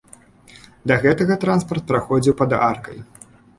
Да гэтага транспарт праходзіў пад аркай.